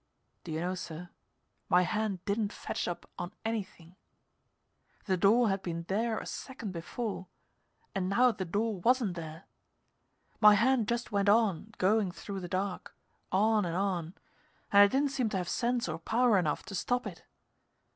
Do you know, sir, my hand didn't fetch up on anything. The door had been there a second before, and now the door wasn't there. My hand just went on going through the dark, on and on, and I didn't seem to have sense or power enough to stop it.